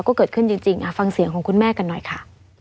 ก็เกิดขึ้นจริงฟังเสียงของคุณแม่กันหน่อยค่ะ